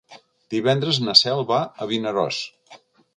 Divendres na Cel va a Vinaròs.